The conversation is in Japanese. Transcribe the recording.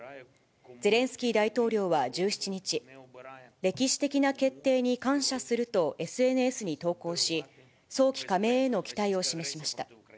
ゼレンスキー大統領は１７日、歴史的な決定に感謝するとＳＮＳに投稿し、早期加盟への期待を示しました。